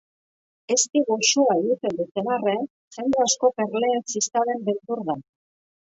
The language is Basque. Ezti goxoa egiten duten arren, jende asko erleen ziztaden beldur da.